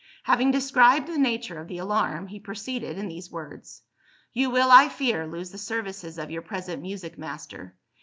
Having described the nature of the alarm, he proceeded in these words: "You will, I fear, lose the services of your present music master.